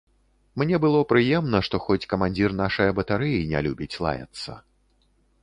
Мне было прыемна, што хоць камандзір нашае батарэі не любіць лаяцца.